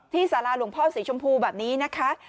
สาราหลวงพ่อสีชมพูแบบนี้นะคะ